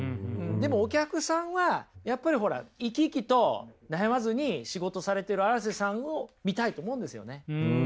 でもお客さんはやっぱりほら生き生きと悩まずに仕事されてる荒瀬さんを見たいと思うんですよね。